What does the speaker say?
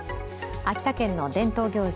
秋田県の伝統行事